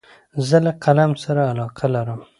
زه له قلم سره علاقه لرم.